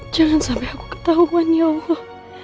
jangan sampai aku ketahuan ya allah